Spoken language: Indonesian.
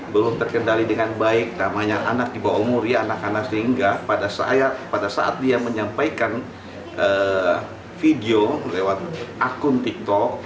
belum terkendali dengan baik namanya anak di bawah umur ya anak anak sehingga pada saat dia menyampaikan video lewat akun tiktok